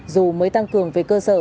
dù mới tăng cường về cơ sở